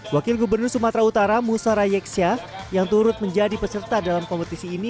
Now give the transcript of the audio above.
wakil gubernur sumatera utara musara yeksya yang turut menjadi peserta dalam kompetisi ini